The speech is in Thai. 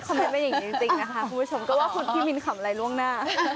ไม่ได้เป็นอย่างนี้จริงนะคะคุณผู้ชมก็ว่าคนพี่มินขำอะไรล่วงหน้า